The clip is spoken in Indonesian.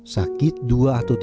sakit dua atau tiga hari setiap hari